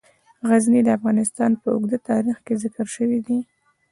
غزني د افغانستان په اوږده تاریخ کې ذکر شوی دی.